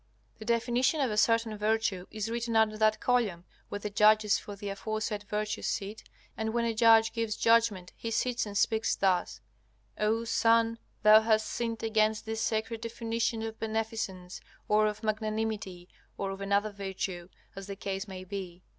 The definition of a certain virtue is written under that column where the judges for the aforesaid virtue sit, and when a judge gives judgment he sits and speaks thus: O son, thou hast sinned against this sacred definition of beneficence, or of magnanimity, or of another virtue, as the case may be.